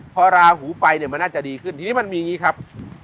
พอราหูไปเนี่ยมันน่าจะดีขึ้นทีนี้มันมีอย่างนี้ครับ